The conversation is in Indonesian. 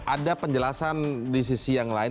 ada penjelasan di sisi yang lain